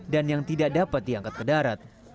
dan yang tidak dapat diangkat ke darat